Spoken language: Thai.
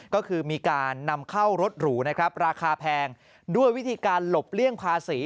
ก็คือมีการนำเข้ารถหรูนะครับราคาแพงด้วยวิธีการหลบเลี่ยงภาษี